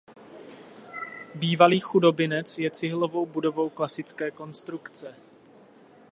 Bývalý chudobinec je cihlovou budovou klasické konstrukce.